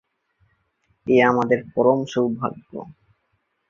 এ আমাদের পরম সৌভাগ্য।